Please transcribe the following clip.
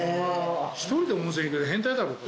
１人で温泉行く変態だろう。